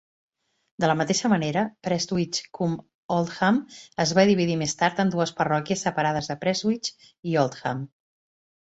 De la mateixa manera, Prestwich-cum-Oldham es va dividir més tard en dues parròquies separades de Prestwich i Oldham.